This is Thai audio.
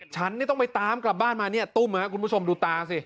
ฉันนี่ต้องไปตามกลับบ้านมาเนี่ยตุ้มครับคุณผู้ชมดูตาสิ